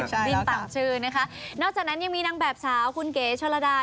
ใช่แล้วค่ะดิ้นต่างชื่อนะคะนอกจากนั้นยังมีนางแบบสาวคุณเกชชะละดา